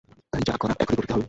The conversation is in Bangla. তাই যা করার এখনই করতে হবে।